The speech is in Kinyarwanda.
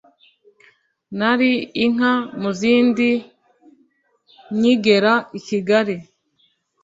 nari inka mu zindi nyigera i kigali